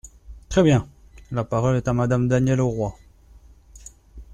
Très bien ! La parole est à Madame Danielle Auroi.